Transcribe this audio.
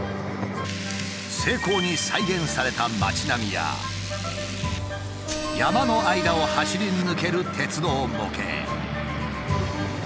精巧に再現された街並みや山の間を走り抜ける鉄道模型。